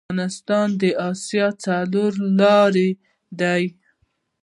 افغانستان د اسیا څلور لارې ده